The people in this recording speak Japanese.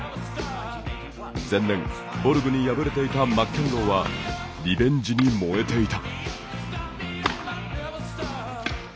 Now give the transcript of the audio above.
前年、ボルグに敗れていたマッケンローはリベンジに燃えていた。